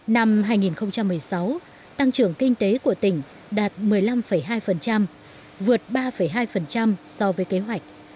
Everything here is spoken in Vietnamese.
năm hai nghìn một mươi sáu tăng trưởng kinh tế của tỉnh đạt một mươi năm hai vượt ba hai so với kế hoạch